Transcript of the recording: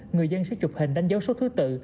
người dân sẽ chụp hình đánh dấu số thứ tự